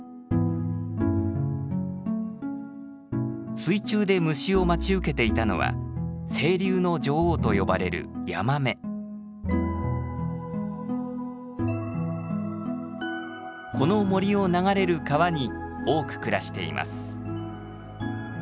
水中で虫を待ち受けていたのは清流の女王と呼ばれるこの森を流れる川に多く暮らしています。